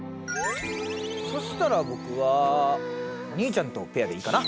そしたら僕はお兄ちゃんとペアでいいかな。